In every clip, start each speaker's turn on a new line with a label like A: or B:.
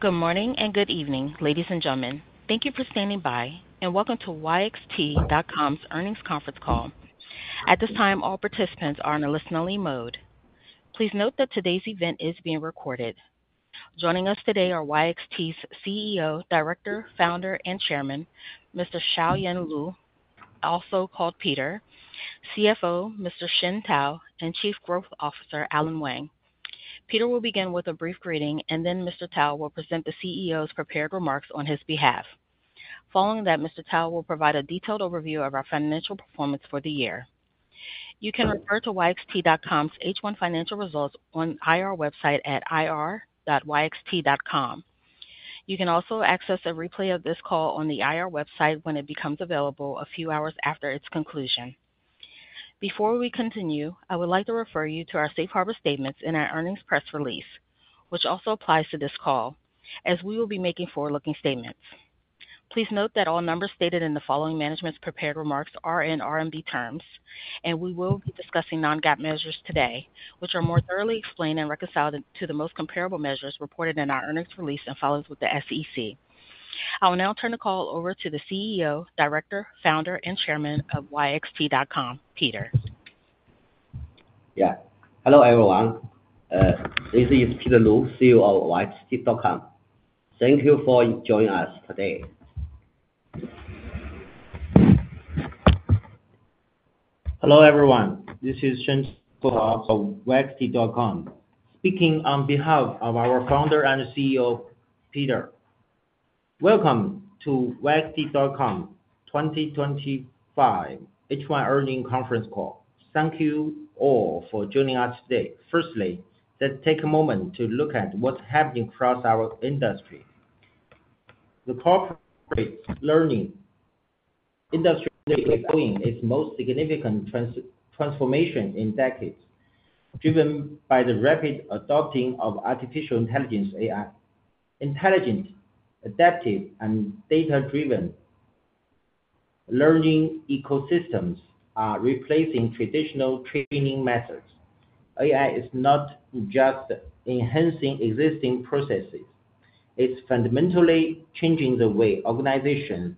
A: Good morning and good evening, ladies and gentlemen. Thank you for standing by and welcome to YXT.COM’s Earnings Conference Call. At this time, all participants are in a listen-only mode. Please note that today's event is being recorded. Joining us today are YXT’s CEO, Director, Founder, and Chairman, Mr. Xiaoyan Lu, also called Peter, CFO, Mr. Shen Cao, and Chief Growth Officer, Alan Wang. Peter will begin with a brief greeting, and then Mr. Cao will present the CEO's prepared remarks on his behalf. Following that, Mr. Cao will provide a detailed overview of our financial performance for the year. You can refer to YXT.COM’s H1 financial results on IR website at ir.yxt.com. You can also access a replay of this call on the IR website when it becomes available a few hours after its conclusion. Before we continue, I would like to refer you to our safe harbor statements in our earnings press release, which also applies to this call, as we will be making forward-looking statements. Please note that all numbers stated in the following management's prepared remarks are in RMB terms, and we will be discussing non-GAAP measures today, which are more thoroughly explained and reconciled to the most comparable measures reported in our earnings release and filings with the SEC. I will now turn the call over to the CEO, Director, Founder, and Chairman of YXT.COM, Peter.
B: Hello, everyone. This is Peter Lu, CEO of YXT.COM. Thank you for joining us today.
C: Hello, everyone. This is Shen Cao from YXT.COM, speaking on behalf of our Founder and CEO, Peter. Welcome to YXT.COM's 2025 H1 Earnings Conference Call. Thank you all for joining us today. Firstly, let's take a moment to look at what's happening across our industry. The corporate learning industry is undergoing its most significant transformation in decades, driven by the rapid adoption of artificial intelligence (AI). Intelligent, adaptive, and data-driven learning ecosystems are replacing traditional training methods. AI is not just enhancing existing processes; it's fundamentally changing the way organizations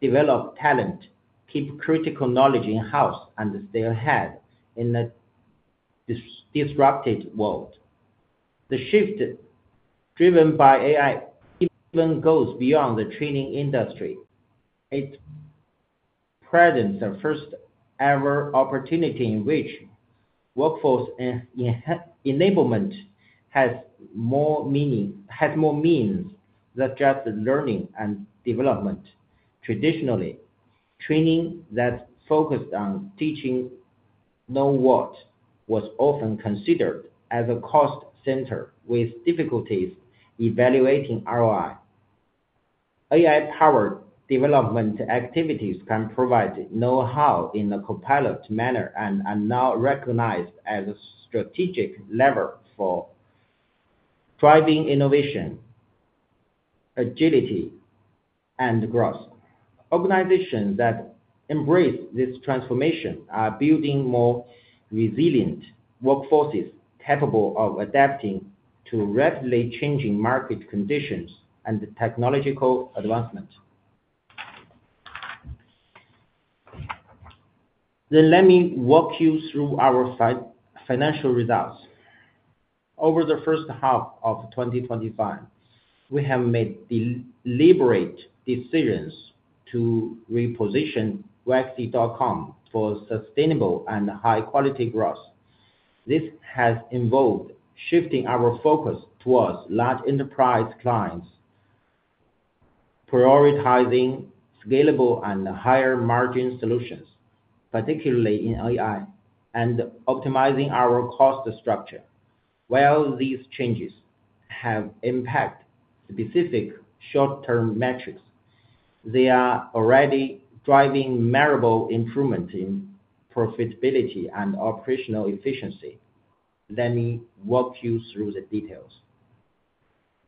C: develop talent, keep critical knowledge in-house, and stay ahead in a disruptive world. The shift driven by AI even goes beyond the training industry. It presents the first-ever opportunity in which workforce enablement has more meaning than just learning and development. Traditionally, training that focused on teaching the known what was often considered as a cost center with difficulties evaluating ROI. AI-powered development activities can provide know-how in a compelling manner and are now recognized as a strategic lever for driving innovation, agility, and growth. Organizations that embrace this transformation are building more resilient workforces capable of adapting to rapidly changing market conditions and technological advancements. Let me walk you through our financial results. Over the first half of 2025, we have made deliberate decisions to reposition YXT.COM for sustainable and high-quality growth. This has involved shifting our focus towards large enterprise clients, prioritizing scalable and higher margin solutions, particularly in AI, and optimizing our cost structure. While these changes have impacted specific short-term metrics, they are already driving measurable improvements in profitability and operational efficiency. Let me walk you through the details.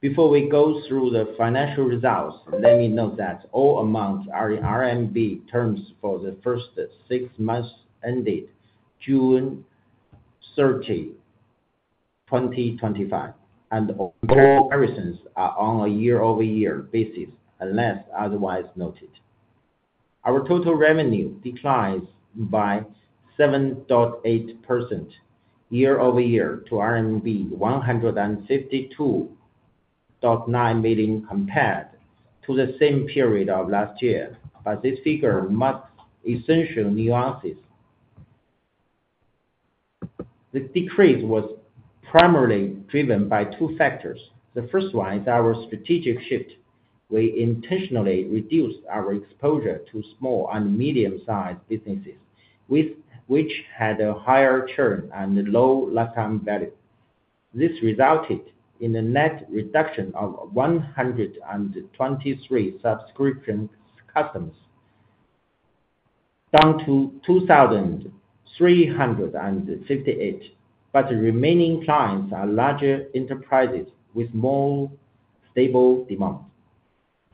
C: Before we go through the financial results, let me note that all amounts are in RMB terms for the first six months ended June 30, 2025, and all comparable earnings are on a year-over-year basis unless otherwise noted. Our total revenue declined by 7.8% year-over-year to RMB 152.9 million compared to the same period of last year, but this figure marks essential nuances. This decrease was primarily driven by two factors. The first one is our strategic shift. We intentionally reduced our exposure to small and medium-sized businesses, which had a higher churn and low lifetime value. This resulted in a net reduction of 123 subscription customers down to 2,358, but the remaining clients are larger enterprises with more stable demand.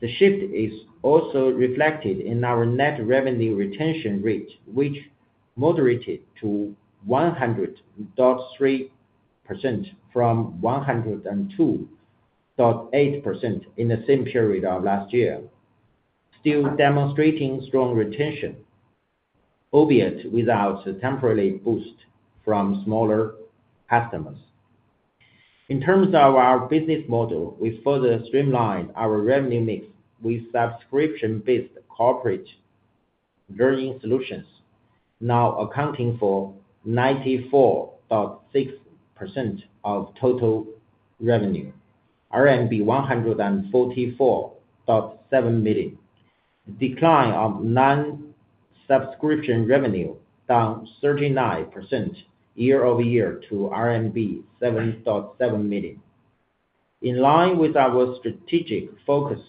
C: The shift is also reflected in our net revenue retention rate, which moderated to 103.8% from 102.8% in the same period of last year, still demonstrating strong retention, albeit without a temporary boost from smaller customers. In terms of our business model, we further streamlined our revenue mix with subscription-based corporate learning solutions, now accounting for 94.6% of total revenue, RMB 144.7 million. The decline of non-subscription revenue, down 39% year-over-year to RMB 7.7 million, is in line with our strategic focus,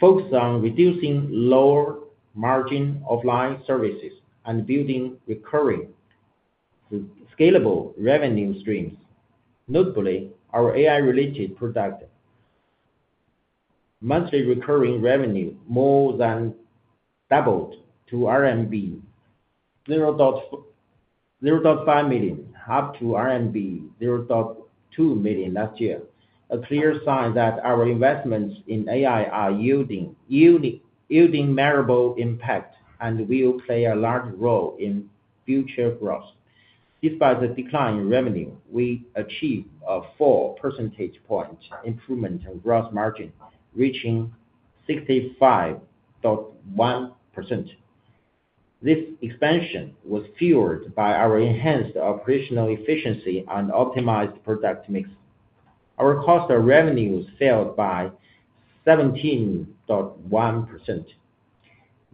C: focused on reducing lower margin offline services and building recurring scalable revenue streams, notably our AI-related product. Monthly recurring revenue more than doubled to 0.5 million, up from 0.2 million last year, a clear sign that our investments in AI are yielding measurable impact and will play a large role in future growth. Despite the decline in revenue, we achieved a 4 percentage point improvement in gross margin, reaching 65.1%. This expansion was fueled by our enhanced operational efficiency and optimized product mix. Our cost of revenue fell by 17.1%,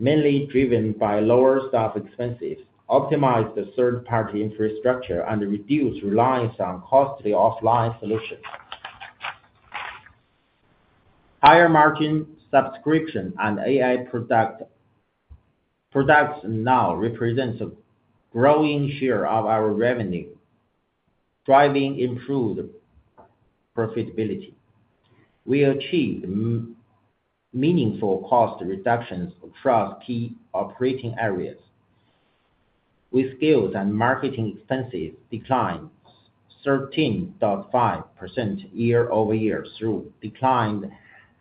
C: mainly driven by lower staff expenses, optimized the third-party infrastructure, and reduced reliance on costly offline solutions. Higher margin subscription and AI products now represent a growing share of our revenue, driving improved profitability. We achieved meaningful cost reductions across key operating areas, with sales and marketing expenses declining 13.5% year-over-year through declined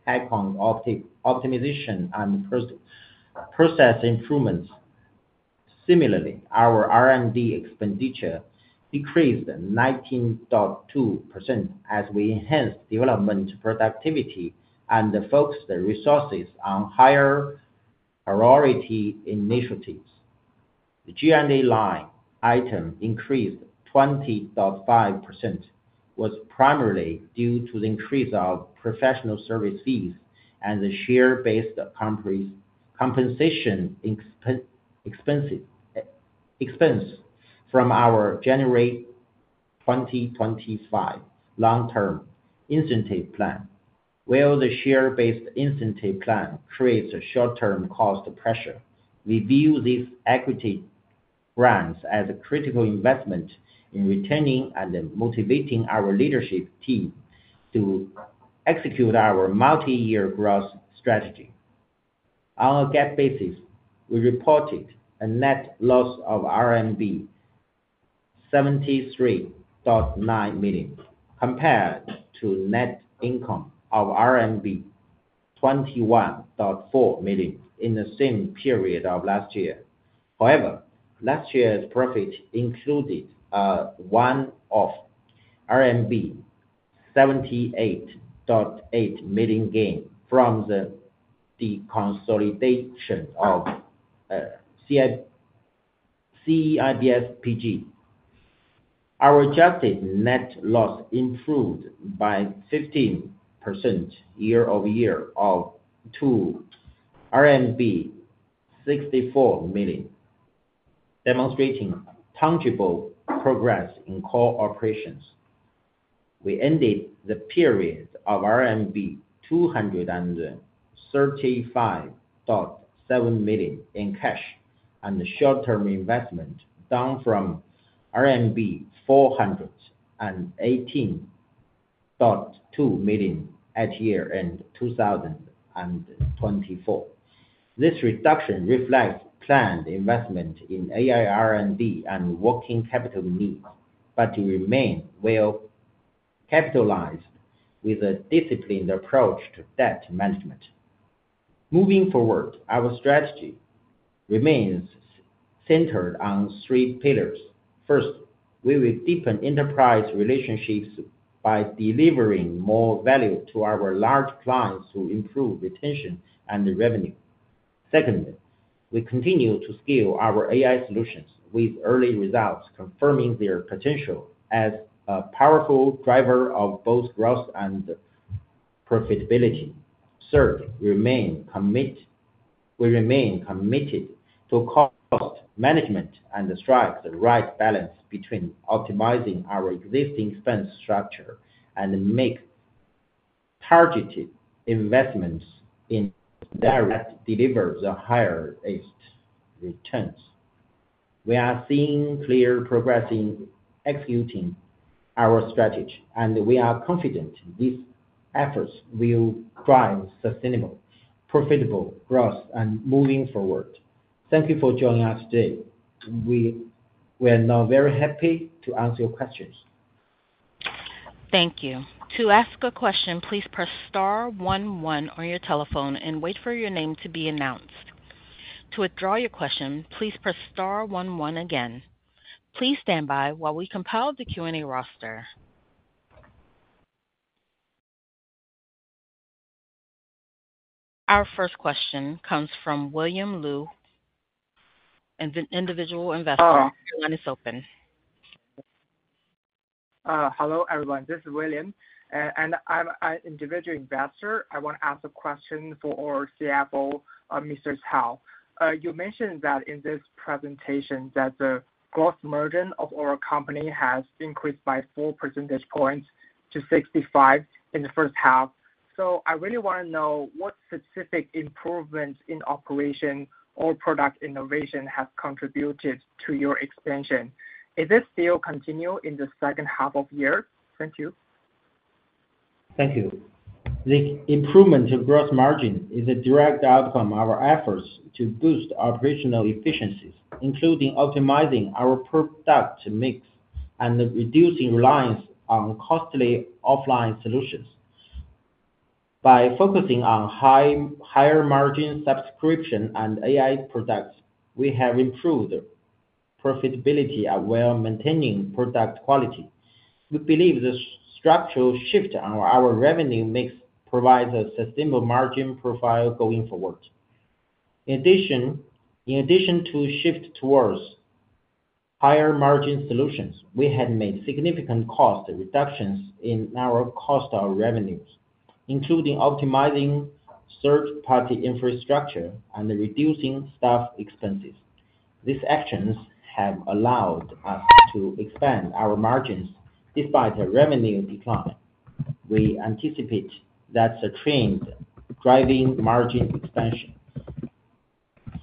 C: ad contact optimization and process improvements. Similarly, our R&D expenditure decreased 19.2% as we enhanced development productivity and focused the resources on higher priority initiatives. The G&A line item increased 20.5%, primarily due to the increase of professional services and the share-based compensation expense from our January 2025 long-term incentive plan. While the share-based incentive plan creates a short-term cost pressure, we view these equity grants as a critical investment in retaining and motivating our leadership team to execute our multi-year growth strategy. On a GAAP basis, we reported a net loss of RMB 73.9 million compared to net income of RMB 21.4 million in the same period of last year. However, last year's profit included a one-off RMB 78.8 million gain from the consolidation of CEIBS PG. Our adjusted net loss improved by 15% year-over-year to RMB 64 million, demonstrating tangible progress in core operations. We ended the period with RMB 235.7 million in cash and short-term investment, down from RMB 418.2 million at year end 2024. This reduction reflects planned investment in AI R&D and working capital needs, but we remain well capitalized with a disciplined approach to debt management. Moving forward, our strategy remains centered on three pillars. First, we will deepen enterprise relationships by delivering more value to our large clients to improve retention and revenue. Secondly, we continue to scale our AI solutions with early results confirming their potential as a powerful driver of both growth and profitability. Third, we remain committed to cost management and strive for the right balance between optimizing our existing expense structure and making targeted investments that deliver the highest returns. We are seeing clear progress in executing our strategy, and we are confident these efforts will drive sustainable, profitable growth moving forward. Thank you for joining us today. We are now very happy to answer your questions.
A: Thank you. To ask a question, please press star one one on your telephone and wait for your name to be announced. To withdraw your question, please press star one one again. Please stand by while we compile the Q&A roster. Our first question comes from William Lu, an individual investor. The line is open. Hello, everyone. This is William, and I'm an individual investor. I want to ask a question for our CFO, Mr. Cao. You mentioned that in this presentation the gross margin of our company has increased by 4 percentage point to 65% in the first half. I really want to know what specific improvements in operation or product innovation have contributed to your expansion. Is this still continuing in the second half of the year? Thank you.
C: Thank you. The improvement in gross margin is a direct outcome of our efforts to boost operational efficiencies, including optimizing our product mix and reducing reliance on costly offline solutions. By focusing on higher margin subscription-based and AI products, we have improved profitability while maintaining product quality. We believe the structural shift in our revenue mix provides a sustainable margin profile going forward. In addition to a shift towards higher margin solutions, we have made significant cost reductions in our cost of revenues, including optimizing third-party infrastructure and reducing staff expenses. These actions have allowed us to expand our margins despite a revenue decline. We anticipate that the trend driving margin expansion,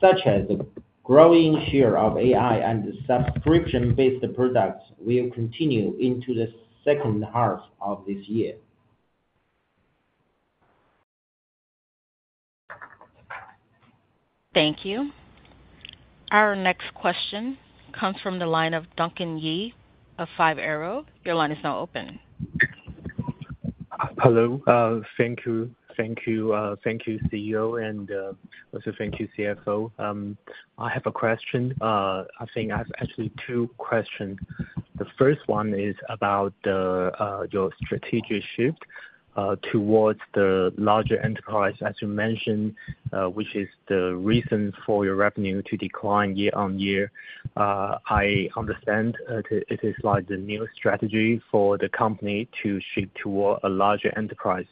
C: such as the growing share of AI and subscription-based products, will continue into the second half of this year.
A: Thank you. Our next question comes from the line of Duncan Ye of Five Arrows. Your line is now open. Hello. Thank you. Thank you, CEO, and also thank you, CFO. I have a question. I think I have actually two questions. The first one is about your strategic shift towards the larger enterprise, as you mentioned, which is the reason for your revenue to decline year-on-year. I understand it is like the new strategy for the company to shift toward a larger enterprise.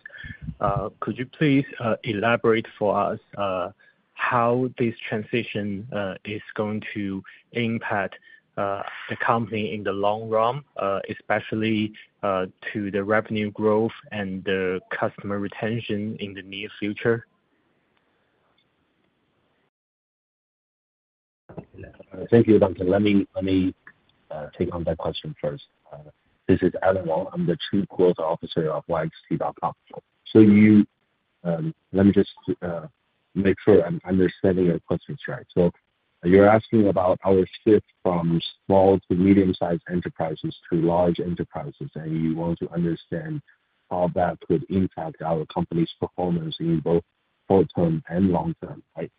A: Could you please elaborate for us how this transition is going to impact the company in the long run, especially to the revenue growth and the customer retention in the near future?
D: Thank you, Duncan. Let me take on that question first. This is Alan Wang. I'm the Chief Growth Officer of YXT.COM. Let me just make sure I'm understanding your questions right. You're asking about our shift from small to medium-sized enterprises to large enterprises, and you want to understand how that could impact our company's performance in both short-term and long-term, right?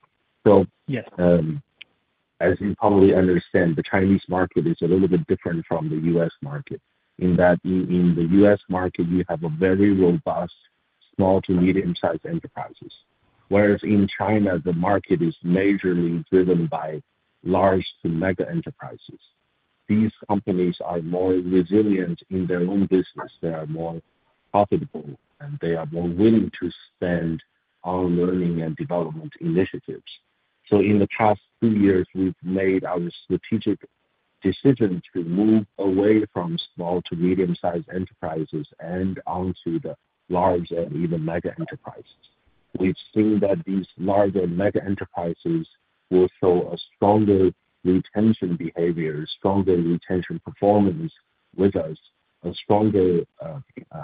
D: Yes. As you probably understand, the Chinese market is a little bit different from the U.S. market in that in the U.S. market, we have a very robust small to medium-sized enterprises, whereas in China, the market is majorly driven by large to mega enterprises. These companies are more resilient in their own business. They are more profitable, and they are more willing to spend on learning and development initiatives. In the past few years, we've made our strategic decision to move away from small to medium-sized enterprises and onto the large and even mega enterprises. We've seen that these larger mega enterprises will show a stronger retention behavior, stronger retention performance with us, a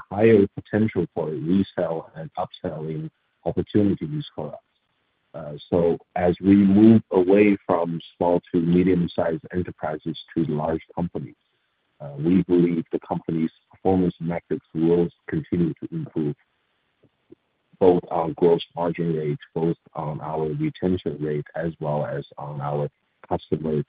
D: higher potential for resale and upselling opportunity with us. As we move away from small to medium-sized enterprises to large companies, we believe the company's performance metrics will continue to improve, both on gross margin rates, on our retention rate, as well as on our customer's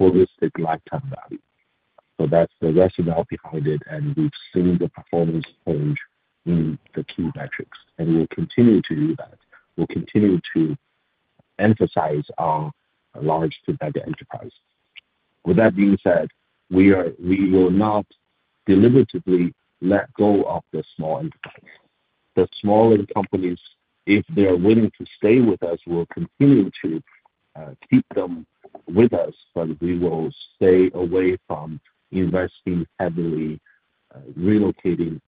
D: holistic lifetime value. That's the rationale behind it, and we've seen the performance change in the key metrics, and we'll continue to do that. We'll continue to emphasize on large to mega enterprises. That being said, we will not deliberatively let go of the small enterprise. The smaller companies, if they're willing to stay with us, we'll continue to keep them with us, but we will stay away from investing heavily, allocating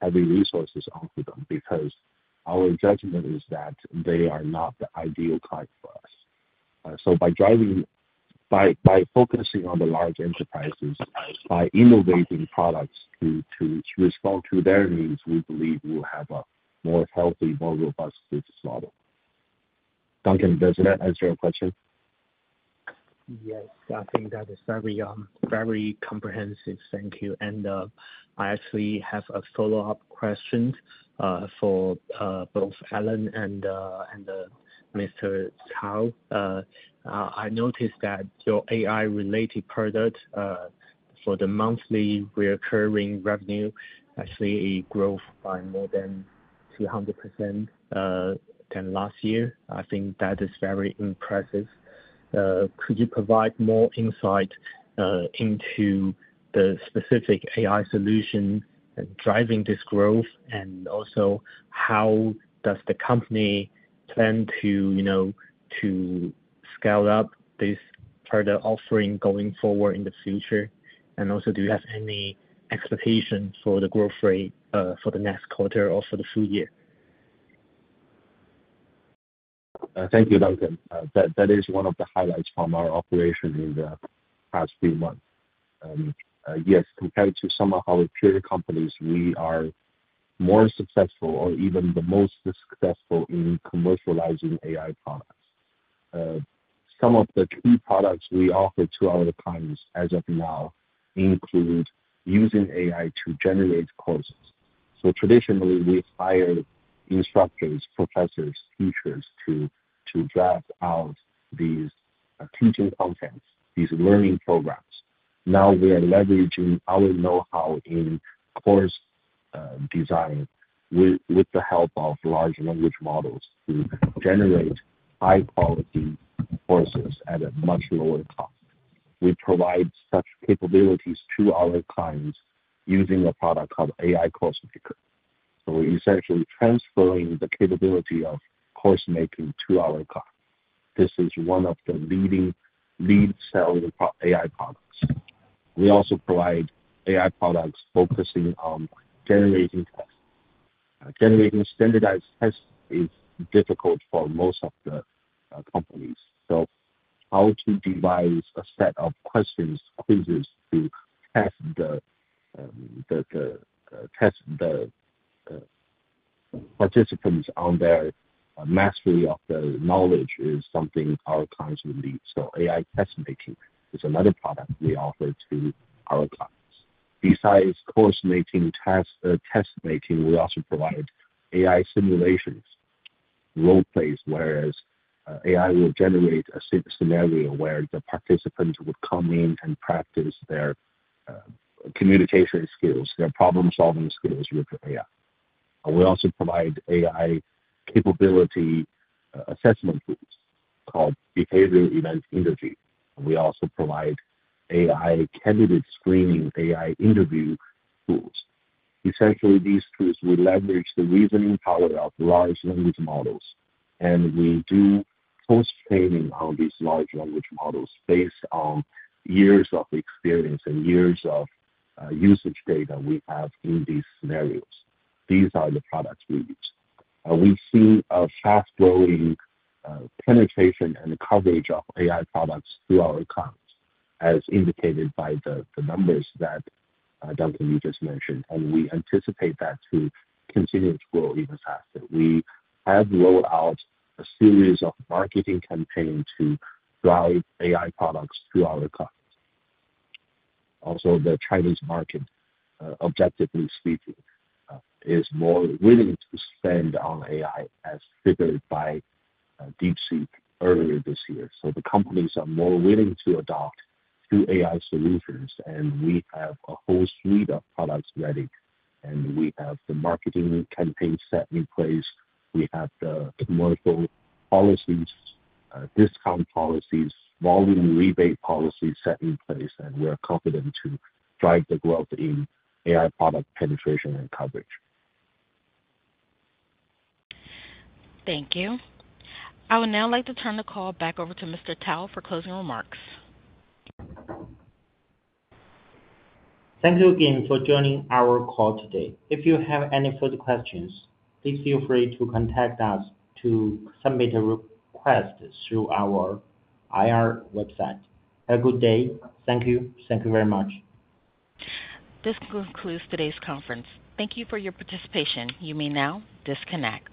D: heavy resources onto them because our judgment is that they are not the ideal client for us. By focusing on the large enterprises, by innovating products to respond to their needs, we believe we'll have a more healthy, more robust business model. Duncan, does that answer your question? Yes, I think that is very, very comprehensive. Thank you. I actually have a follow-up question for both Alan and Mr. Cao. I noticed that your AI-related product, for the monthly recurring revenue, I see a growth by more than 200% than last year. I think that is very impressive. Could you provide more insight into the specific AI solution driving this growth? Also, how does the company plan to scale up this product offering going forward in the future? Do you have any expectation for the growth rate for the next quarter or for the full year? Thank you, Duncan. That is one of the highlights from our operation in the past few months. Yes, compared to some of our peer companies, we are more successful or even the most successful in commercializing AI products. Some of the key products we offer to our clients as of now include using AI to generate courses. Traditionally, we've hired instructors, professors, teachers to draft out these teaching content, these learning programs. Now we are leveraging our know-how in course design with the help of large language models to generate high-quality courses at a much lower cost. We provide such capabilities to our clients using a product called AI Coursemaker. We're essentially transferring the capability of coursemaking to our clients. This is one of the leading selling AI products. We also provide AI products focusing on generating tests. Generating standardized tests is difficult for most of the companies. How to devise a set of questions, quizzes to test the participants on their mastery of the knowledge is something our clients will need. AI test-making is another product we offer to our clients. Besides course-making, test-making, we also provide AI simulations, role-plays, where AI will generate a scenario where the participants will come in and practice their communication skills, their problem-solving skills with AI. We also provide AI capability assessment tools called behavioral event interviews. We also provide AI candidate screening, AI interview tools. Essentially, these tools will leverage the reasoning power of large language models. We do post-training on these large language models based on years of experience and years of usage data we have in these scenarios. These are the products we use. We've seen a fast-growing penetration and coverage of AI products through our accounts, as indicated by the numbers that Duncan just mentioned. We anticipate that to continue to grow even faster. We have rolled out a series of marketing campaigns to drive AI products to our clients. Also, the Chinese market, objectively speaking, is more willing to spend on AI as triggered by a deep seek earlier this year. The companies are more willing to adopt new AI solutions, and we have a whole suite of products ready. We have the marketing campaigns set in place. We have the commercial policies, discount policies, volume rebate policies set in place, and we are confident to drive the growth in AI product penetration and coverage.
A: Thank you. I would now like to turn the call back over to Mr. Cao for closing remarks.
C: Thank you again for joining our call today. If you have any further questions, please feel free to contact us or submit a request through our IR website. Have a good day. Thank you. Thank you very much.
A: This concludes today's conference. Thank you for your participation. You may now disconnect.